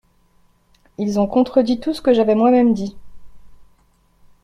Ils ont contredit tout ce que j’avais moi-même dit.